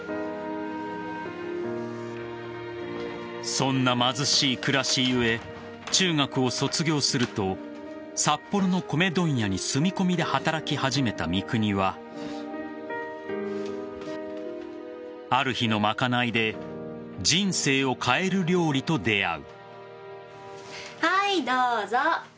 そんな貧しい暮らし故中学を卒業すると札幌の米問屋に住み込みで働き始めた三國はある日の賄いで人生を変える料理と出合う。